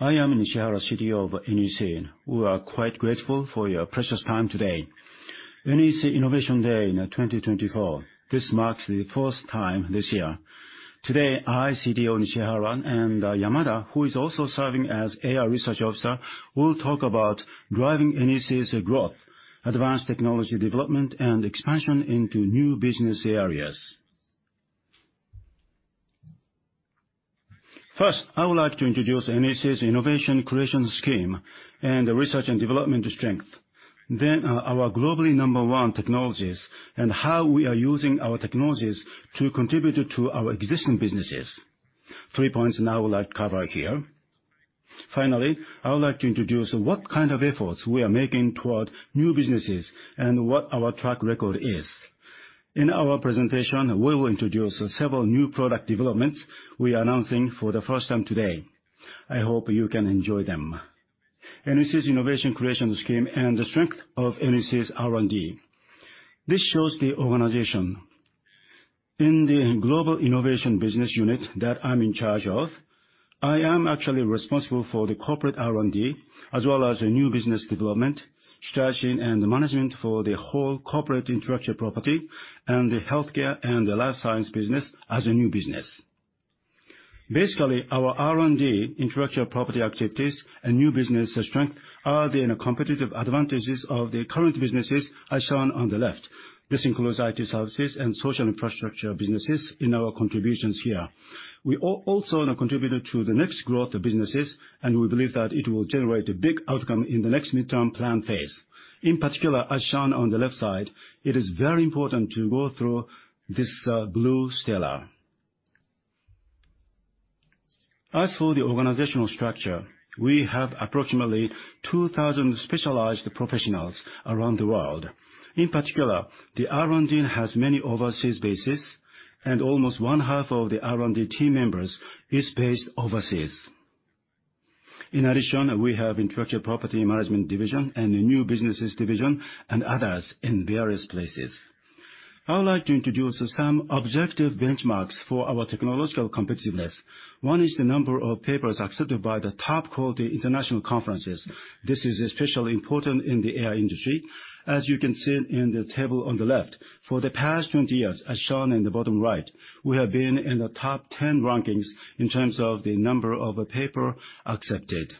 I am Motoo Nishihara, NEC. We are quite grateful for your precious time today. NEC Innovation Day in 2024. This marks the first time this year. Today, I, CTO Nishihara, and Yamada, who is also serving as AI Research Officer, will talk about driving NEC's growth, advanced technology development, and expansion into new business areas. First, I would like to introduce NEC's Innovation Creation Scheme and the research and development strength. Then, our globally number one technologies and how we are using our technologies to contribute to our existing businesses. Three points now I would like to cover here. Finally, I would like to introduce what kind of efforts we are making toward new businesses and what our track record is. In our presentation, we will introduce several new product developments we are announcing for the first time today. I hope you can enjoy them. NEC's Innovation Creation Scheme and the strength of NEC's R&D. This shows the organization. In the Global Innovation Business Unit that I'm in charge of, I am actually responsible for the corporate R&D as well as new business development, strategy, and management for the whole corporate intellectual property and the healthcare and the life science business as a new business. Basically, our R&D, intellectual property activities, and new business strength are the competitive advantages of the current businesses, as shown on the left. This includes IT services and social infrastructure businesses in our contributions here. We also contributed to the next growth of businesses, and we believe that it will generate a big outcome in the next midterm plan phase. In particular, as shown on the left side, it is very important to go through this BluStellar. As for the organizational structure, we have approximately 2,000 specialized professionals around the world. In particular, the R&D has many overseas bases, and almost one half of the R&D team members is based overseas. In addition, we have an intellectual property management division and a new businesses division and others in various places. I would like to introduce some objective benchmarks for our technological competitiveness. One is the number of papers accepted by the top quality international conferences. This is especially important in the AI industry, as you can see in the table on the left. For the past 20 years, as shown in the bottom right, we have been in the top 10 rankings in terms of the number of papers accepted.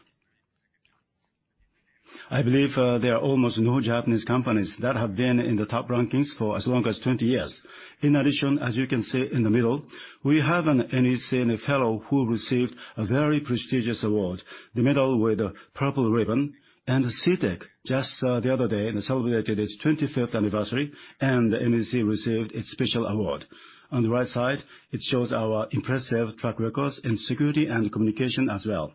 I believe there are almost no Japanese companies that have been in the top rankings for as long as 20 years. In addition, as you can see in the middle, we have an NEC Fellow who received a very prestigious award, the Medal with Purple Ribbon, and CEATEC just the other day celebrated its 25th anniversary, and NEC received its special award. On the right side, it shows our impressive track records in security and communication as well.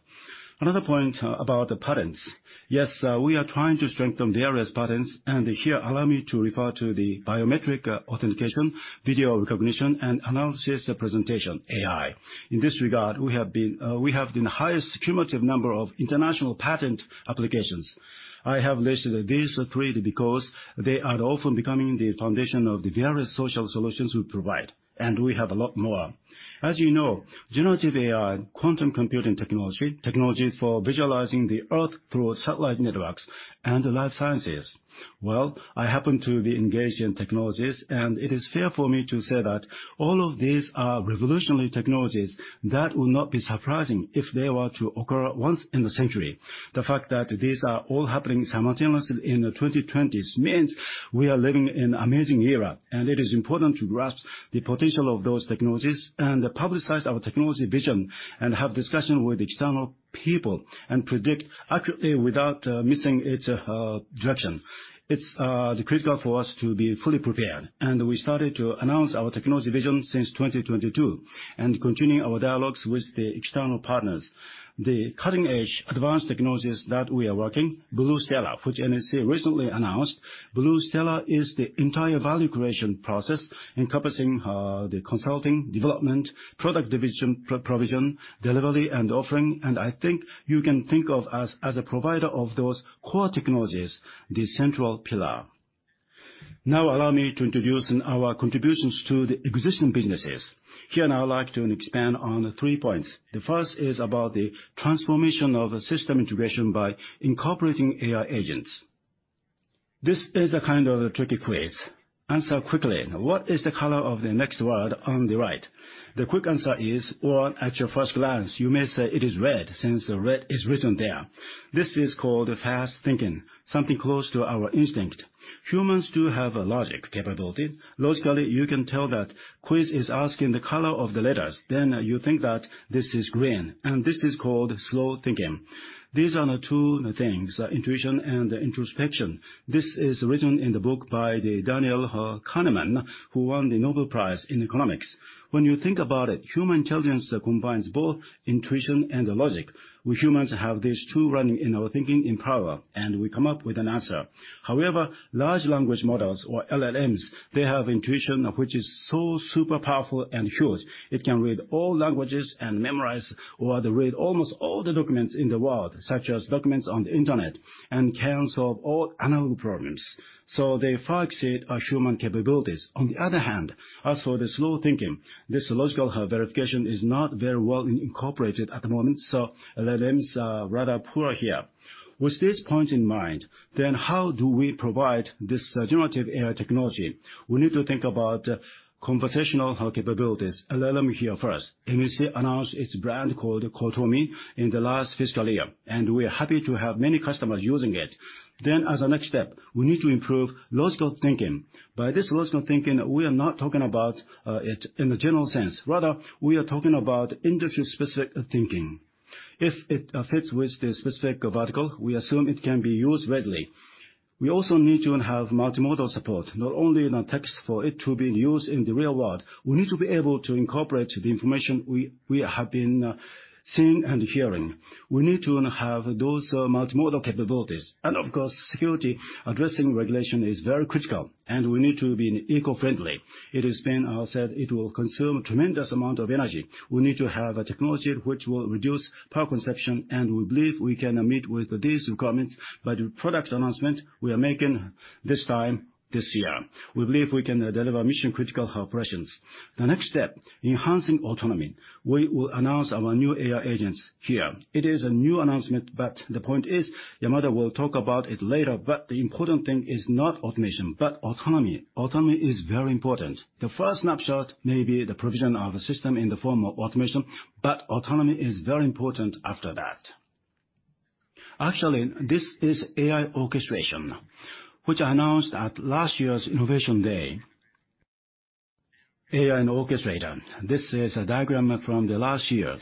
Another point about the patents. Yes, we are trying to strengthen various patents, and here allow me to refer to the biometric authentication, video recognition, and analysis, prescriptive AI. In this regard, we have the highest cumulative number of international patent applications. I have listed these three because they are often becoming the foundation of the various social solutions we provide, and we have a lot more. As you know, generative AI, quantum computing technology, technology for visualizing the Earth through satellite networks, and life sciences. I happen to be engaged in technologies, and it is fair for me to say that all of these are revolutionary technologies that would not be surprising if they were to occur once in a century. The fact that these are all happening simultaneously in the 2020s means we are living in an amazing era, and it is important to grasp the potential of those technologies and publicize our technology vision and have discussion with external people and predict accurately without missing its direction. It's critical for us to be fully prepared, and we started to announce our technology vision since 2022 and continue our dialogues with the external partners. The cutting-edge advanced technologies that we are working, BluStellar, which NEC recently announced, BluStellar is the entire value creation process encompassing the consulting, development, product provision, delivery, and offering, and I think you can think of us as a provider of those core technologies, the central pillar. Now, allow me to introduce our contributions to the existing businesses. Here now I'd like to expand on three points. The first is about the transformation of system integration by incorporating AI agents. This is a kind of tricky quiz. Answer quickly. What is the color of the next word on the right? The quick answer is, well, at your first glance, you may say it is red since red is written there. This is called fast thinking, something close to our instinct. Humans do have a logic capability. Logically, you can tell that quiz is asking the color of the letters. Then you think that this is green, and this is called slow thinking. These are the two things, intuition and introspection. This is written in the book by Daniel Kahneman, who won the Nobel Prize in Economics. When you think about it, human intelligence combines both intuition and logic. We humans have these two running in our thinking in power, and we come up with an answer. However, large language models, or LLMs, they have intuition, which is so super powerful and huge. It can read all languages and memorize or read almost all the documents in the world, such as documents on the internet, and can solve all analogy problems. So they far exceed our human capabilities. On the other hand, as for the slow thinking, this logical verification is not very well incorporated at the moment, so LLMs are rather poor here. With these points in mind, then how do we provide this generative AI technology? We need to think about conversational capabilities. LLM here first. NEC announced its brand called cotomi in the last fiscal year, and we are happy to have many customers using it. Then, as a next step, we need to improve logical thinking. By this logical thinking, we are not talking about it in a general sense. Rather, we are talking about industry-specific thinking. If it fits with the specific vertical, we assume it can be used readily. We also need to have multimodal support, not only the text for it to be used in the real world. We need to be able to incorporate the information we have been seeing and hearing. We need to have those multimodal capabilities, and of course, security addressing regulation is very critical, and we need to be eco-friendly. It has been said it will consume a tremendous amount of energy. We need to have a technology which will reduce power consumption, and we believe we can meet with these requirements by the product announcement we are making this time this year. We believe we can deliver mission-critical operations. The next step, enhancing autonomy. We will announce our new AI agents here. It is a new announcement, but the point is Yamada will talk about it later, but the important thing is not automation, but autonomy. Autonomy is very important. The first snapshot may be the provision of a system in the form of automation, but autonomy is very important after that. Actually, this is AI orchestration, which I announced at last year's Innovation Day, AI Orchestrator. This is a diagram from last year.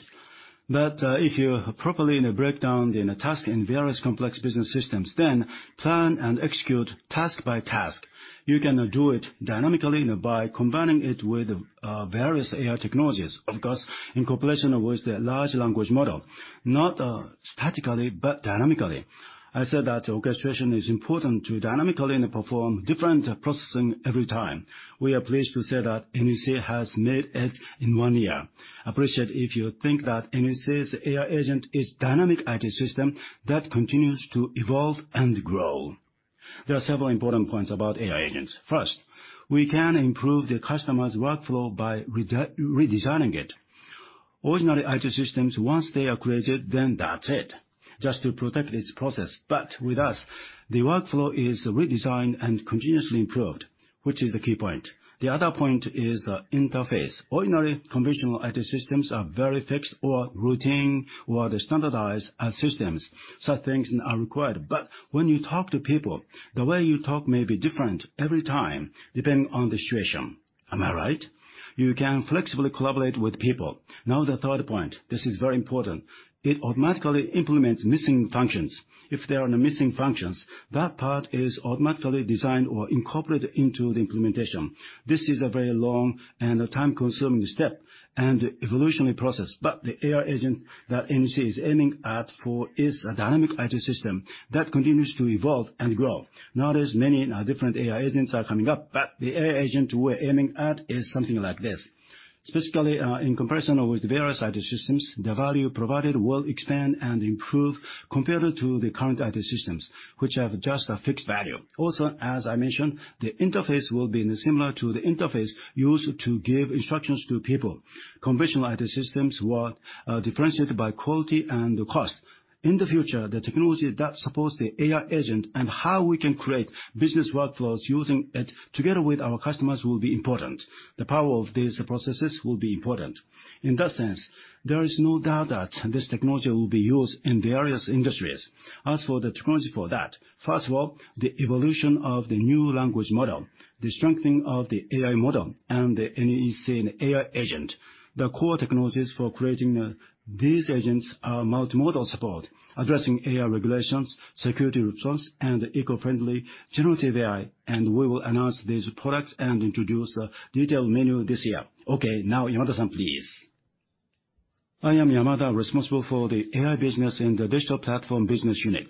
But if you properly break down the task in various complex business systems, then plan and execute task by task. You can do it dynamically by combining it with various AI technologies, of course, in correlation with the large language model, not statically, but dynamically. I said that orchestration is important to dynamically perform different processing every time. We are pleased to say that NEC has made it in one year. Appreciate if you think that NEC's AI agent is a dynamic IT system that continues to evolve and grow. There are several important points about AI agents. First, we can improve the customer's workflow by redesigning it. Ordinary IT systems, once they are created, then that's it, just to protect its process. But with us, the workflow is redesigned and continuously improved, which is the key point. The other point is interface. Ordinary conventional IT systems are very fixed or routine or standardized systems. Such things are required. But when you talk to people, the way you talk may be different every time depending on the situation. Am I right? You can flexibly collaborate with people. Now, the third point, this is very important. It automatically implements missing functions. If there are no missing functions, that part is automatically designed or incorporated into the implementation. This is a very long and time-consuming step and evolutionary process. But the AI agent that NEC is aiming at is a dynamic IT system that continues to evolve and grow. Nowadays, many different AI agents are coming up, but the AI agent we're aiming at is something like this. Specifically, in comparison with various IT systems, the value provided will expand and improve compared to the current IT systems, which have just a fixed value. Also, as I mentioned, the interface will be similar to the interface used to give instructions to people. Conventional IT systems were differentiated by quality and cost. In the future, the technology that supports the AI agent and how we can create business workflows using it together with our customers will be important. The power of these processes will be important. In that sense, there is no doubt that this technology will be used in various industries. As for the technology for that, first of all, the evolution of the new language model, the strengthening of the AI model, and the NEC AI agent. The core technologies for creating these agents are multimodal support, addressing AI regulations, security resilience, and eco-friendly generative AI, and we will announce these products and introduce the detailed menu this year. Okay, now Yamada-san, please. I am Yamada, responsible for the AI business in the Digital Platform Business Unit.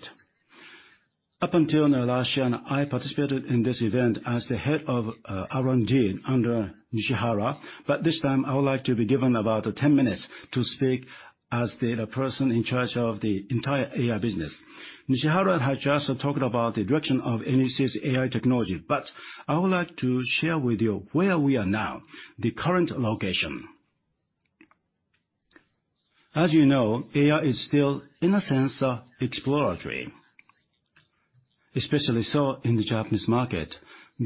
Up until last year, I participated in this event as the head of R&D under Nishihara, but this time I would like to be given about 10 minutes to speak as the person in charge of the entire AI business. Nishihara has just talked about the direction of NEC's AI technology, but I would like to share with you where we are now, the current location. As you know, AI is still, in a sense, exploratory, especially so in the Japanese market.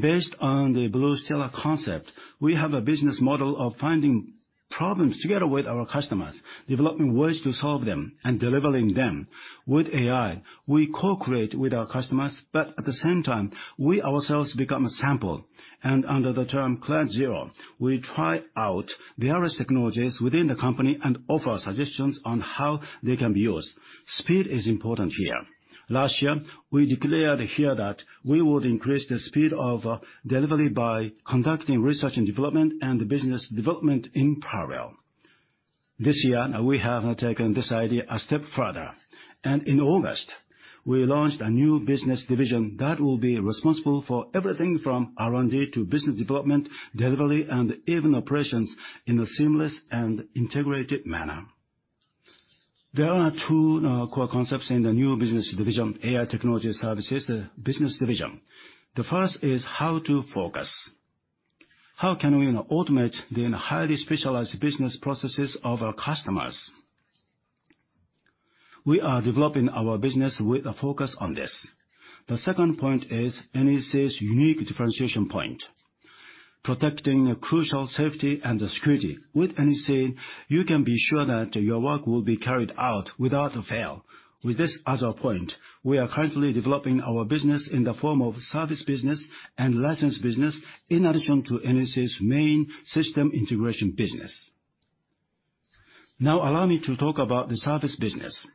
Based on the BluStellar concept, we have a business model of finding problems together with our customers, developing ways to solve them, and delivering them. With AI, we co-create with our customers, but at the same time, we ourselves become a sample, and under the term Client Zero, we try out various technologies within the company and offer suggestions on how they can be used. Speed is important here. Last year, we declared here that we would increase the speed of delivery by conducting research and development and business development in parallel. This year, we have taken this idea a step further, and in August, we launched a new business division that will be responsible for everything from R&D to business development, delivery, and even operations in a seamless and integrated manner. There are two core concepts in the new business division, AI Technology Services Business Division. The first is how to focus. How can we automate the highly specialized business processes of our customers? We are developing our business with a focus on this. The second point is NEC's unique differentiation point, protecting crucial safety and security. With NEC, you can be sure that your work will be carried out without fail. With this other point, we are currently developing our business in the form of service business and license business in addition to NEC's main system integration business. Now, allow me to talk about the service business.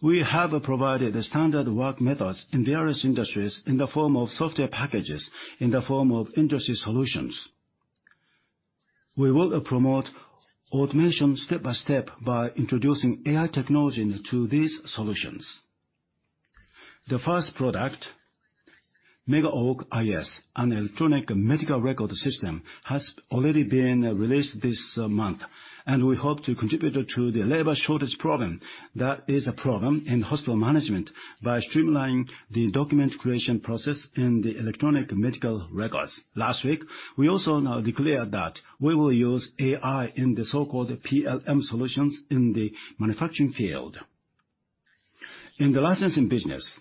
We have provided standard work methods in various industries in the form of software packages, in the form of industry solutions. We will promote automation step by step by introducing AI technology to these solutions. The first product, MegaOak/iS, an electronic medical record system, has already been released this month, and we hope to contribute to the labor shortage problem that is a problem in hospital management by streamlining the document creation process in the electronic medical records. Last week, we also declared that we will use AI in the so-called PLM solutions in the manufacturing field. In the licensing business,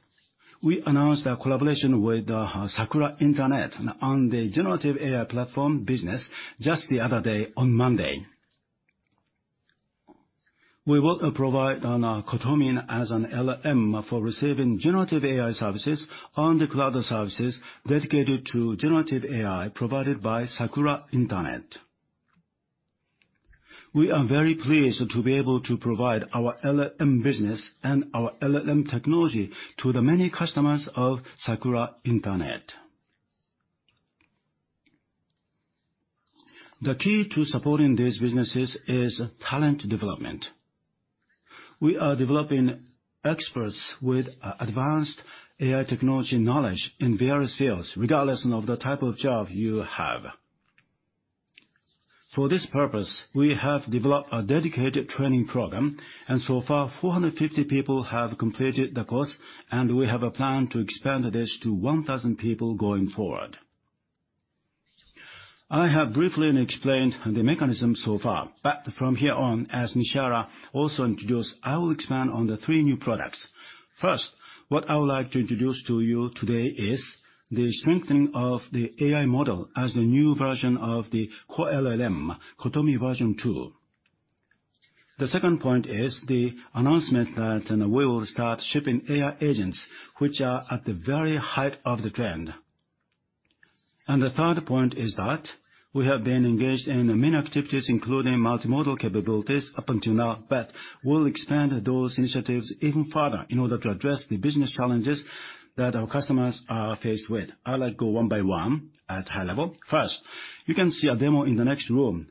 we announced our collaboration with Sakura Internet on the generative AI platform business just the other day on Monday. We will provide cotomi as an LLM for receiving generative AI services on the cloud services dedicated to generative AI provided by Sakura Internet. We are very pleased to be able to provide our LLM business and our LLM technology to the many customers of Sakura Internet. The key to supporting these businesses is talent development. We are developing experts with advanced AI technology knowledge in various fields, regardless of the type of job you have. For this purpose, we have developed a dedicated training program, and so far, 450 people have completed the course, and we have a plan to expand this to 1,000 people going forward. I have briefly explained the mechanism so far, but from here on, as Nishihara also introduced, I will expand on the three new products. First, what I would like to introduce to you today is the strengthening of the AI model as the new version of the core LLM, cotomi Version 2. The second point is the announcement that we will start shipping AI agents, which are at the very height of the trend. The third point is that we have been engaged in many activities, including multimodal capabilities up until now, but we'll expand those initiatives even further in order to address the business challenges that our customers are faced with. I'll go one by one at high level. First, you can see a demo in the next room.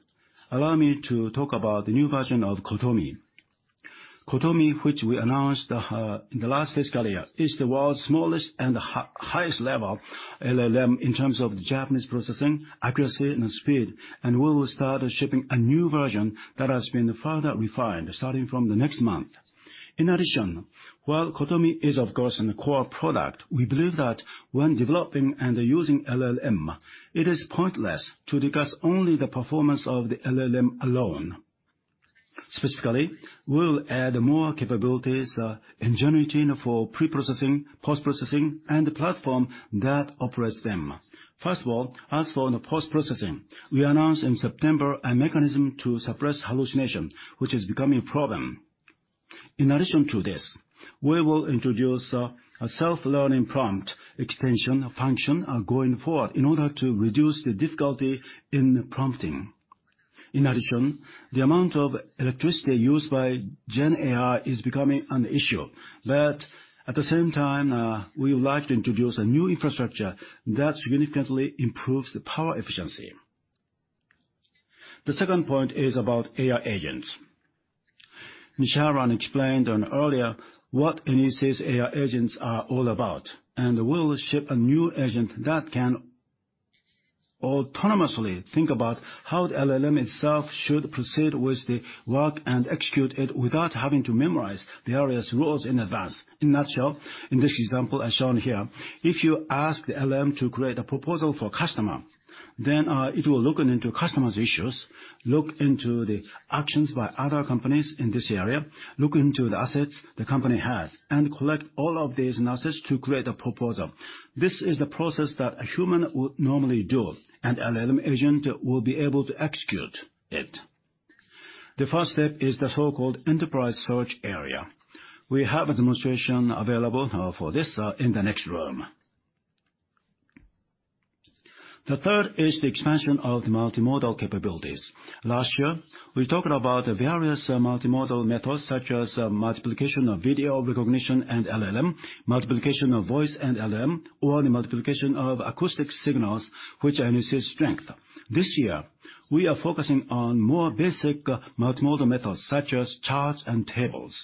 Allow me to talk about the new version of cotomi. Cotomi, which we announced in the last fiscal year, is the world's smallest and highest-level LLM in terms of the Japanese processing, accuracy, and speed, and we will start shipping a new version that has been further refined starting from the next month. In addition, while Cotomi is, of course, a core product, we believe that when developing and using LLM, it is pointless to discuss only the performance of the LLM alone. Specifically, we will add more capabilities in generating for pre-processing, post-processing, and the platform that operates them. First of all, as for the post-processing, we announced in September a mechanism to suppress hallucination, which is becoming a problem. In addition to this, we will introduce a self-learning prompt extension function going forward in order to reduce the difficulty in prompting. In addition, the amount of electricity used by Gen AI is becoming an issue, but at the same time, we would like to introduce a new infrastructure that significantly improves the power efficiency. The second point is about AI agents. Nishihara explained earlier what NEC's AI agents are all about, and we will ship a new agent that can autonomously think about how the LLM itself should proceed with the work and execute it without having to memorize various rules in advance. In a nutshell, in this example as shown here, if you ask the LLM to create a proposal for a customer, then it will look into customer's issues, look into the actions by other companies in this area, look into the assets the company has, and collect all of these notes to create a proposal. This is the process that a human would normally do, and an LLM agent will be able to execute it. The first step is the so-called enterprise search area. We have a demonstration available for this in the next room. The third is the expansion of the multimodal capabilities. Last year, we talked about various multimodal methods such as multiplication of video recognition and LLM, multiplication of voice and LLM, or the multiplication of acoustic signals, which I need to strengthen. This year, we are focusing on more basic multimodal methods such as charts and tables.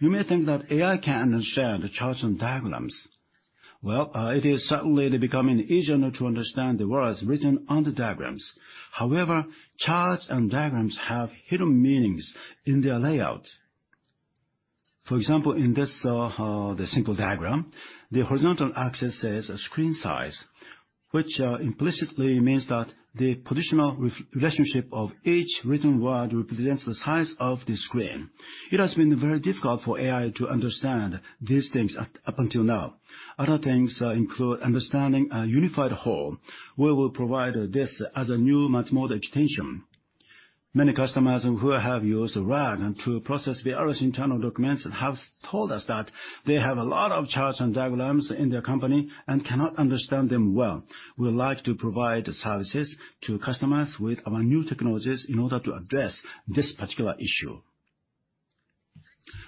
You may think that AI can understand charts and diagrams. Well, it is certainly becoming easier to understand the words written on the diagrams. However, charts and diagrams have hidden meanings in their layout. For example, in this simple diagram, the horizontal axis is a screen size, which implicitly means that the positional relationship of each written word represents the size of the screen. It has been very difficult for AI to understand these things up until now. Other things include understanding a unified whole. We will provide this as a new multimodal extension. Many customers who have used RAG to process various internal documents have told us that they have a lot of charts and diagrams in their company and cannot understand them well. We would like to provide services to customers with our new technologies in order to address this particular issue.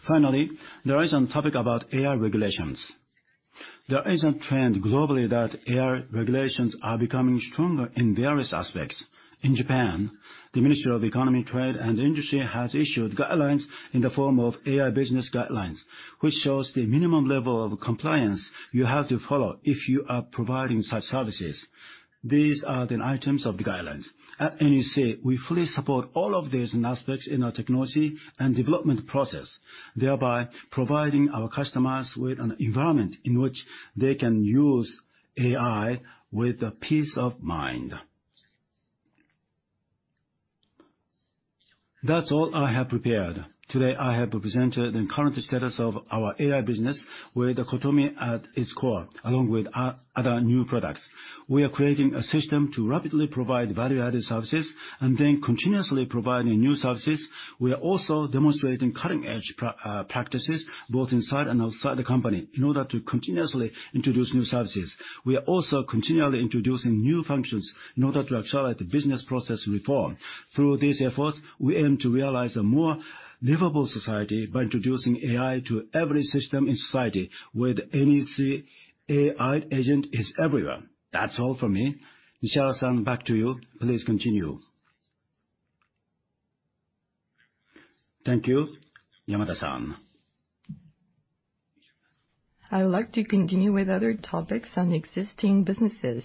Finally, there is a topic about AI regulations. There is a trend globally that AI regulations are becoming stronger in various aspects. In Japan, the Ministry of Economy, Trade and Industry has issued guidelines in the form of AI Business Guidelines, which shows the minimum level of compliance you have to follow if you are providing such services. These are the items of the guidelines. At NEC, we fully support all of these aspects in our technology and development process, thereby providing our customers with an environment in which they can use AI with peace of mind. That's all I have prepared. Today, I have presented the current status of our AI business with cotomi at its core, along with other new products. We are creating a system to rapidly provide value-added services and then continuously provide new services. We are also demonstrating cutting-edge practices both inside and outside the company in order to continuously introduce new services. We are also continually introducing new functions in order to accelerate the business process reform. Through these efforts, we aim to realize a more livable society by introducing AI to every system in society where the NEC AI agent is everywhere. That's all from me. Nishihara-san, back to you. Please continue. Thank you, Yamada-san. I would like to continue with other topics on existing businesses.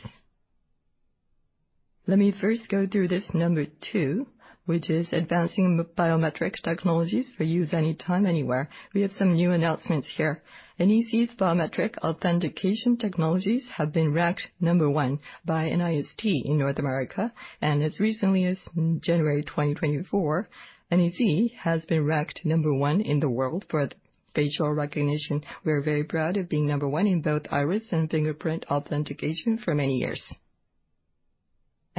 Let me first go through this number two, which is advancing biometric technologies for use anytime, anywhere. We have some new announcements here. NEC's biometric authentication technologies have been ranked number one by NIST in North America, and as recently as January 2024, NEC has been ranked number one in the world for facial recognition. We are very proud of being number one in both iris and fingerprint authentication for many years.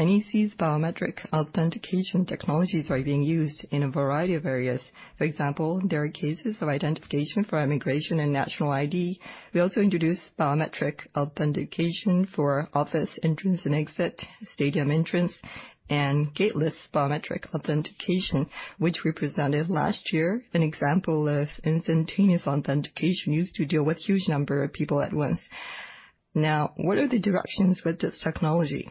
NEC's biometric authentication technologies are being used in a variety of areas. For example, there are cases of identification for immigration and national ID. We also introduced biometric authentication for office entrance and exit, stadium entrance, and gateless biometric authentication, which we presented last year, an example of instantaneous authentication used to deal with a huge number of people at once. Now, what are the directions with this technology?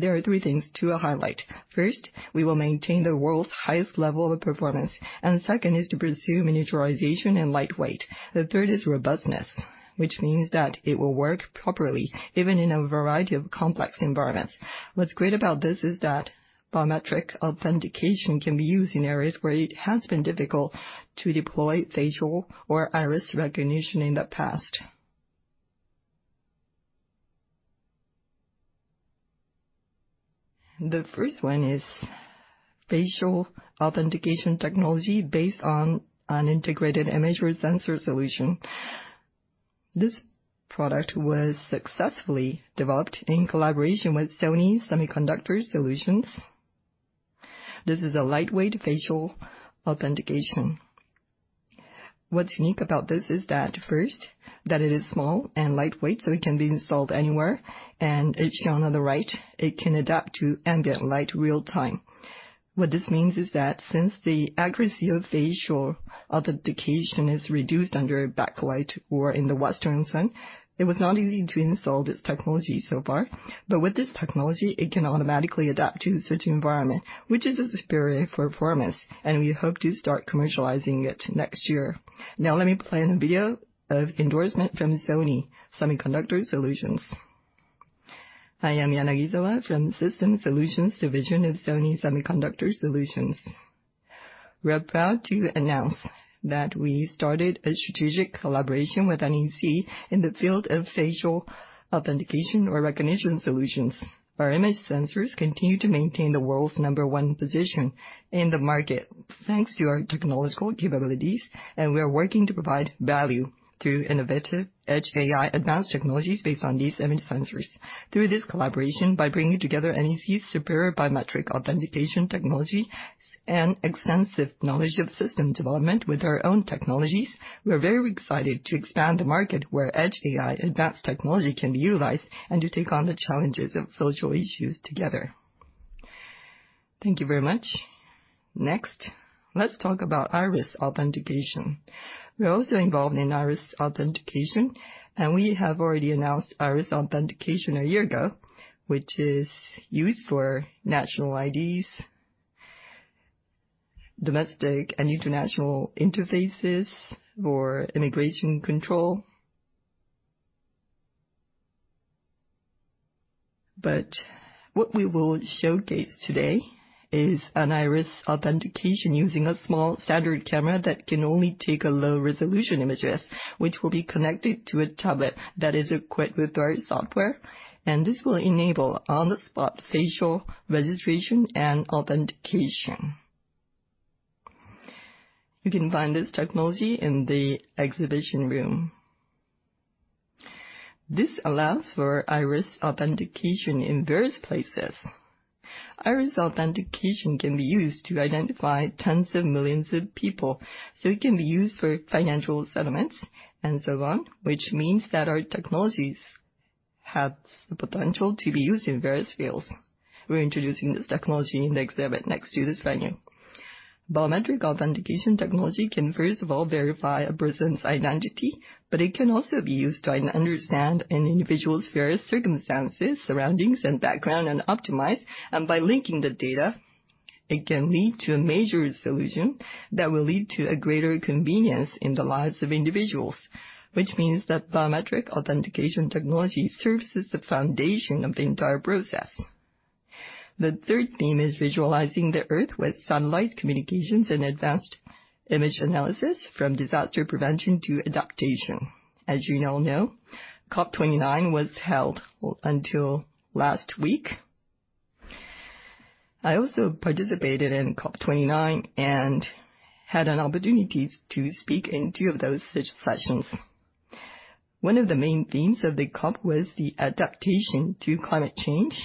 There are three things to highlight. First, we will maintain the world's highest level of performance, and second is to pursue miniaturization and lightweight. The third is robustness, which means that it will work properly even in a variety of complex environments. What's great about this is that biometric authentication can be used in areas where it has been difficult to deploy facial or iris recognition in the past. The first one is facial authentication technology based on an integrated imaging sensor solution. This product was successfully developed in collaboration with Sony Semiconductor Solutions. This is a lightweight facial authentication. What's unique about this is that first, that it is small and lightweight, so it can be installed anywhere, and as shown on the right, it can adapt to ambient light real-time. What this means is that since the accuracy of facial authentication is reduced under backlight or in the western sun, it was not easy to install this technology so far. But with this technology, it can automatically adapt to a certain environment, which is a superior performance, and we hope to start commercializing it next year. Now, let me play a video of endorsement from Sony Semiconductor Solutions. I am Yanagisawa from the System Solutions Division of Sony Semiconductor Solutions. We're proud to announce that we started a strategic collaboration with NEC in the field of facial authentication or recognition solutions. Our image sensors continue to maintain the world's number one position in the market thanks to our technological capabilities, and we are working to provide value through innovative edge AI advanced technologies based on these image sensors. Through this collaboration, by bringing together NEC's superior biometric authentication technology and extensive knowledge of system development with our own technologies, we're very excited to expand the market where edge AI advanced technology can be utilized and to take on the challenges of social issues together. Thank you very much. Next, let's talk about iris authentication. We're also involved in iris authentication, and we have already announced iris authentication a year ago, which is used for national IDs, domestic and international interfaces, or immigration control. But what we will showcase today is an iris authentication using a small standard camera that can only take low-resolution images, which will be connected to a tablet that is equipped with our software. And this will enable on-the-spot facial registration and authentication. You can find this technology in the exhibition room. This allows for iris authentication in various places. Iris authentication can be used to identify tens of millions of people, so it can be used for financial settlements and so on, which means that our technologies have the potential to be used in various fields. We're introducing this technology in the exhibit next to this venue. Biometric authentication technology can, first of all, verify a person's identity, but it can also be used to understand an individual's various circumstances, surroundings, and background and optimize, and by linking the data, it can lead to a major solution that will lead to a greater convenience in the lives of individuals, which means that biometric authentication technology serves as the foundation of the entire process. The third theme is visualizing the Earth with satellite communications and advanced image analysis from disaster prevention to adaptation. As you all know, COP29 was held until last week. I also participated in COP29 and had an opportunity to speak in two of those sessions. One of the main themes of the COP was the adaptation to climate change,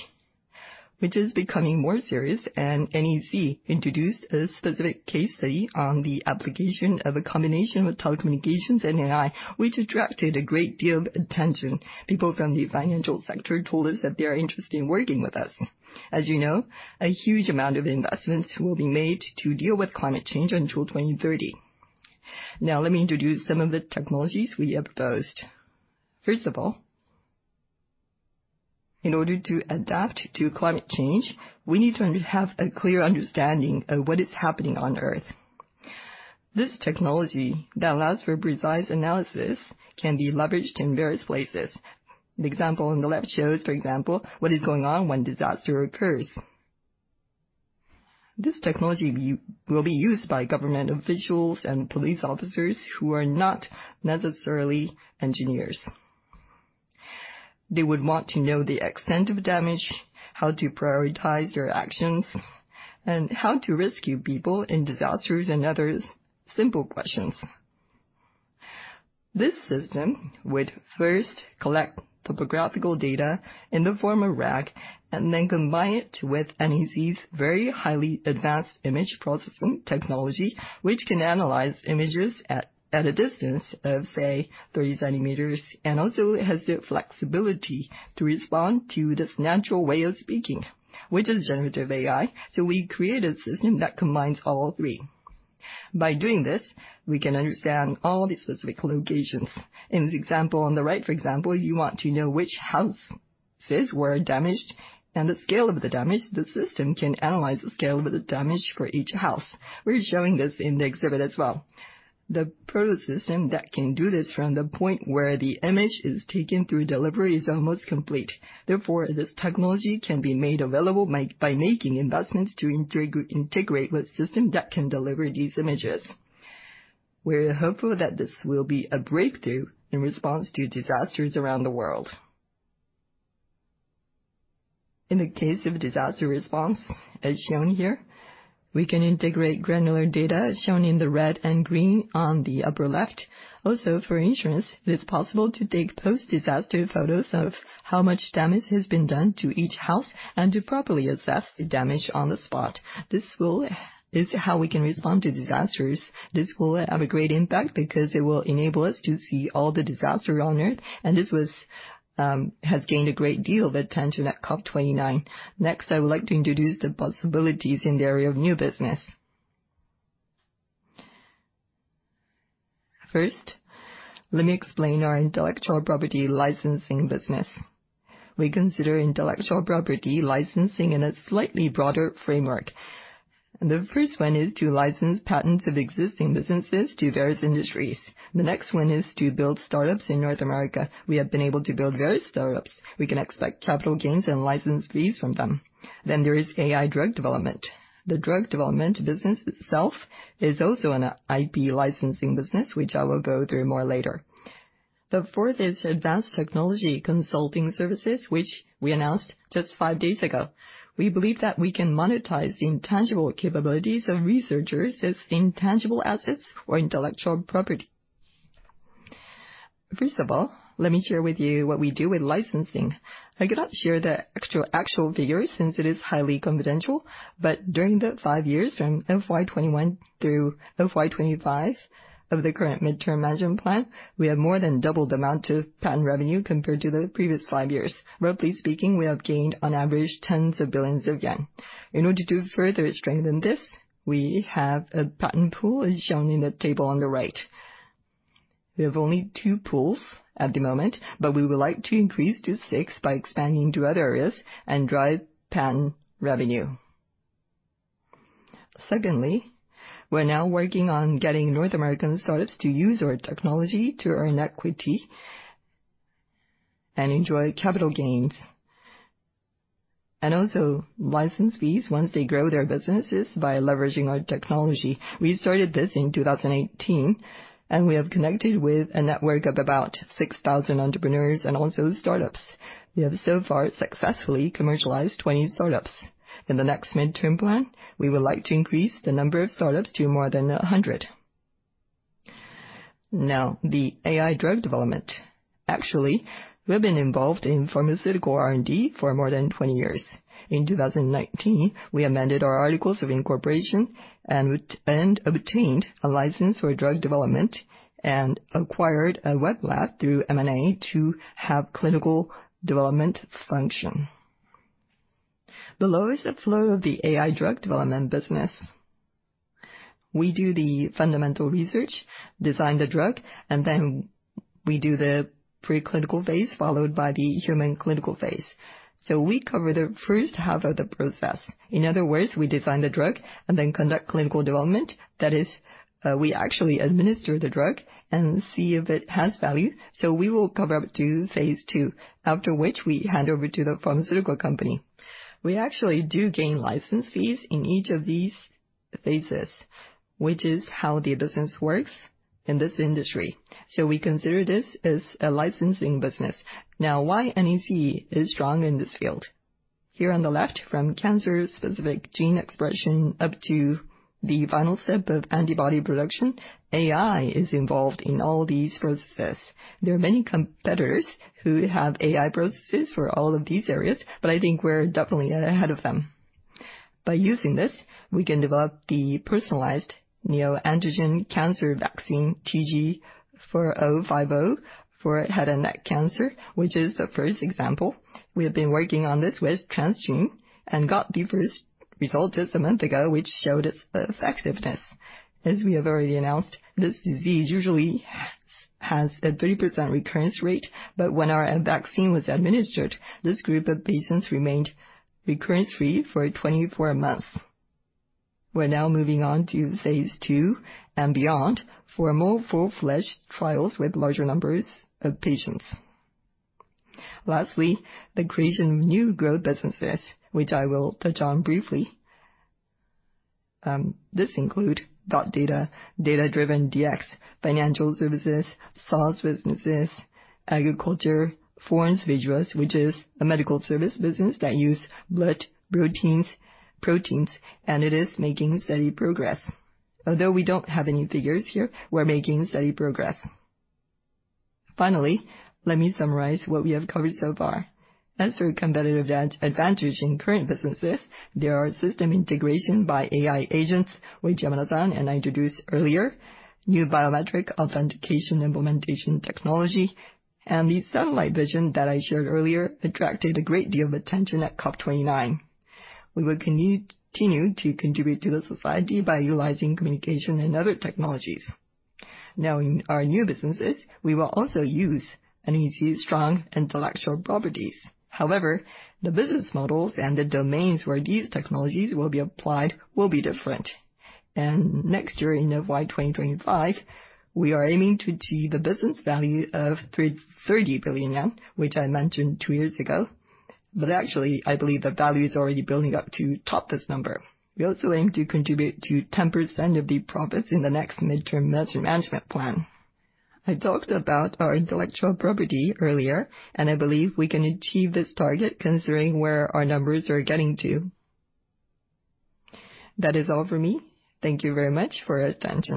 which is becoming more serious, and NEC introduced a specific case study on the application of a combination of telecommunications and AI, which attracted a great deal of attention. People from the financial sector told us that they are interested in working with us. As you know, a huge amount of investments will be made to deal with climate change until 2030. Now, let me introduce some of the technologies we have proposed. First of all, in order to adapt to climate change, we need to have a clear understanding of what is happening on Earth. This technology that allows for precise analysis can be leveraged in various places. The example on the left shows, for example, what is going on when disaster occurs. This technology will be used by government officials and police officers who are not necessarily engineers. They would want to know the extent of damage, how to prioritize their actions, and how to rescue people in disasters and other simple questions. This system would first collect topographical data in the form of RGB and then combine it with NEC's very highly advanced image processing technology, which can analyze images at a distance of, say, 30 centimeters, and also has the flexibility to respond to this natural way of speaking, which is generative AI, so we created a system that combines all three. By doing this, we can understand all the specific locations. In this example on the right, for example, you want to know which houses were damaged and the scale of the damage. The system can analyze the scale of the damage for each house. We're showing this in the exhibit as well. The proto-system that can do this from the point where the image is taken through delivery is almost complete. Therefore, this technology can be made available by making investments to integrate with a system that can deliver these images. We're hopeful that this will be a breakthrough in response to disasters around the world. In the case of disaster response, as shown here, we can integrate granular data shown in the red and green on the upper left. Also, for insurance, it is possible to take post-disaster photos of how much damage has been done to each house and to properly assess the damage on the spot. This is how we can respond to disasters. This will have a great impact because it will enable us to see all the disaster on Earth, and this has gained a great deal of attention at COP29. Next, I would like to introduce the possibilities in the area of new business. First, let me explain our intellectual property licensing business. We consider intellectual property licensing in a slightly broader framework. The first one is to license patents of existing businesses to various industries. The next one is to build startups in North America. We have been able to build various startups. We can expect capital gains and license fees from them. Then there is AI drug development. The drug development business itself is also an IP licensing business, which I will go through more later. The fourth is advanced technology consulting services, which we announced just five days ago. We believe that we can monetize the intangible capabilities of researchers as intangible assets or intellectual property. First of all, let me share with you what we do with licensing. I cannot share the actual figures since it is highly confidential, but during the five years from FY 2021 through FY 2025 of the current midterm management plan, we have more than doubled the amount of patent revenue compared to the previous five years. Roughly speaking, we have gained on average tens of billions Yen. In order to further strengthen this, we have a patent pool as shown in the table on the right. We have only two pools at the moment, but we would like to increase to six by expanding to other areas and drive patent revenue. Secondly, we're now working on getting North American startups to use our technology to earn equity and enjoy capital gains, and also license fees once they grow their businesses by leveraging our technology. We started this in 2018, and we have connected with a network of about 6,000 entrepreneurs and also startups. We have so far successfully commercialized 20 startups. In the next midterm plan, we would like to increase the number of startups to more than 100. Now, the AI drug development. Actually, we've been involved in pharmaceutical R&D for more than 20 years. In 2019, we amended our articles of incorporation and obtained a license for drug development and acquired a wet lab through M&A to have clinical development function. The lowest flow of the AI drug development business. We do the fundamental research, design the drug, and then we do the preclinical phase followed by the human clinical phase. So we cover the first half of the process. In other words, we design the drug and then conduct clinical development. That is, we actually administer the drug and see if it has value. So we will cover up to Phase II, after which we hand over to the pharmaceutical company. We actually do gain license fees in each of these phases, which is how the business works in this industry. So we consider this as a licensing business. Now, why NEC is strong in this field? Here on the left, from cancer-specific gene expression up to the final step of antibody production, AI is involved in all these processes. There are many competitors who have AI processes for all of these areas, but I think we're definitely ahead of them. By using this, we can develop the personalized neoantigen cancer vaccine, TG-4050, for head and neck cancer, which is the first example. We have been working on this with Transgene and got the first result just a month ago, which showed its effectiveness. As we have already announced, this disease usually has a 30% recurrence rate, but when our vaccine was administered, this group of patients remained recurrence-free for 24 months. We're now moving on to Phase II and beyond for more full-fledged trials with larger numbers of patients. Lastly, the creation of new growth businesses, which I will touch on briefly. This includes dotData, data-driven DX, financial services, SaaS businesses, agriculture, FonesVisuas, which is a medical service business that uses blood proteins, and it is making steady progress. Although we don't have any figures here, we're making steady progress. Finally, let me summarize what we have covered so far. As for competitive advantage in current businesses, there are system integration by AI agents, which Yamada and I introduced earlier, new biometric authentication implementation technology, and the satellite vision that I shared earlier attracted a great deal of attention at COP29. We will continue to contribute to the society by utilizing communication and other technologies. Now, in our new businesses, we will also use NEC's strong intellectual properties. However, the business models and the domains where these technologies will be applied will be different. Next year in FY 2025, we are aiming to achieve a business value of 30 billion yen, which I mentioned two years ago. But actually, I believe the value is already building up to top this number. We also aim to contribute to 10% of the profits in the next midterm management plan. I talked about our intellectual property earlier, and I believe we can achieve this target considering where our numbers are getting to. That is all for me. Thank you very much for your attention.